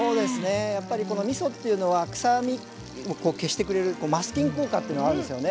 やっぱりみそっていうのは臭みも消してくれるマスキング効果ってのがあるんですよね。